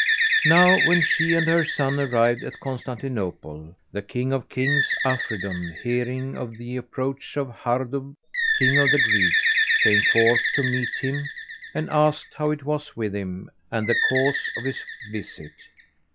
Now when she and her son arrived at Constantinople, the King of Kings, Afridun, hearing of the approach of Hardub, King of the Greeks, came forth to meet him and asked how it was with him and the cause of his visit.